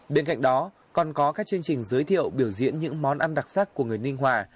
bên cạnh đó còn có các chương trình giới thiệu biểu diễn những món ăn đặc sắc của người ninh hòa